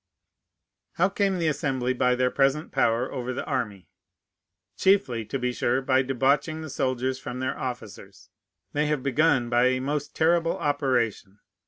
How came the Assembly by their present power over the army? Chiefly, to be sure, by debauching the soldiers from their officers. They have begun by a most terrible operation.